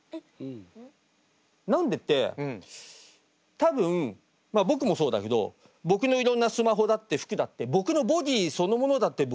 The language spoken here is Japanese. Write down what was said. ん？何でって多分まっ僕もそうだけど僕のいろんなスマホだって服だって僕のボディーそのものだって僕のもんじゃないよ多分。